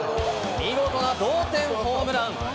見事な同点ホームラン！